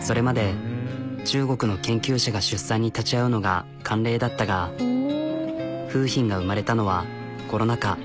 それまで中国の研究者が出産に立ち会うのが慣例だったが楓浜が生まれたのはコロナ禍。